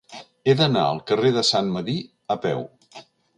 He d'anar al carrer de Sant Medir a peu.